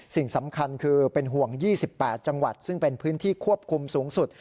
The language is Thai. สิ่งสำคัญคือเป็นห่วง๒๘จังหวัดซึ่งเป็นพื้นที่ควบคุมสูงสุด